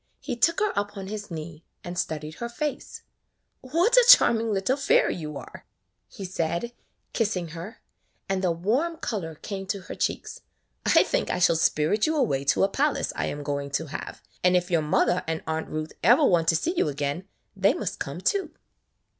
He took her up on his knee and studied her face. ''What a charming little fairy you are!" he [ 44 ] KATHIE^S FAIRY LAND said, kissing her, and the warm color came to her cheeks. "I think I shall spirit you away to [ 45 ] AN EASTER LILY a palace I am going to have, and if your mother and Aunt Ruth ever want to see you again, they must come, too."